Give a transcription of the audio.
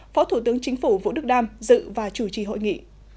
phó thủ tướng chính phủ vũ đức đam dự và chủ trì hội nghị